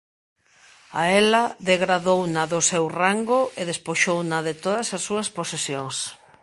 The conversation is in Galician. A ela, degradouna do seu rango e despoxouna de todas as súas posesións.